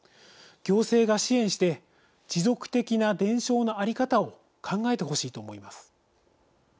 行政が支援して持続的な伝承の在り方を考えてほしいと思います。